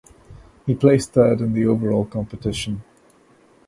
He placed third in the overall competition.